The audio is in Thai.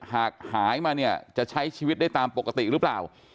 หากหายมาเนี่ยจะใช้ชีวิตได้ตามปกติหรือเปล่า